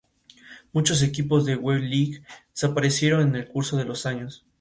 Muchos equipos de W-League desaparecieron en el curso de los años.